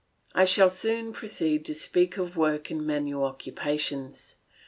I shall soon proceed to speak of work and manual occupations.